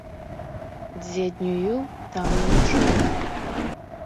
Дзе днюю, там не начую.